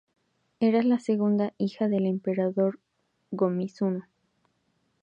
Era la segunda hija del Emperador Go-Mizunoo.